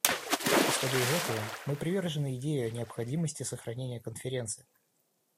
Исходя из этого, мы привержены идее о необходимости сохранения Конференции.